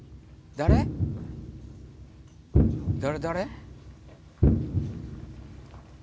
誰誰？